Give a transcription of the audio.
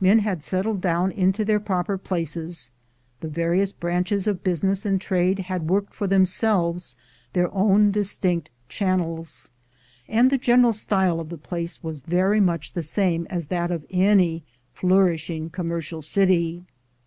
Men had settled down into their proper places; the various branches of business and trade had worked for themselves their own distinct channels; and the general style of the place was very much the same as that of any flourishing commercial city.